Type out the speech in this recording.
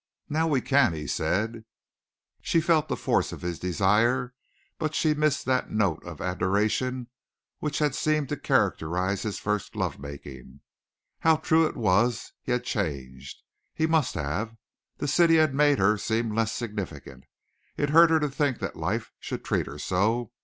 "Now we can," he said. She felt the force of his desire but she missed that note of adoration which had seemed to characterize his first lovemaking. How true it was he had changed! He must have. The city had made her seem less significant. It hurt her to think that life should treat her so.